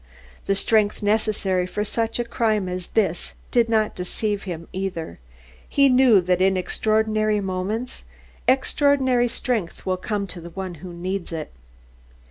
The strength necessary for such a crime as this did not deceive him either. He knew that in extraordinary moments extraordinary strength will come to the one who needs it.